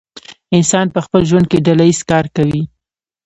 انسان په خپل ژوند کې ډله ایز کار کوي.